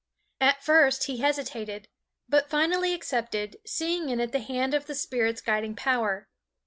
At first he hesitated, but finally accepted, seeing in it the hand of the Spirit's guiding power.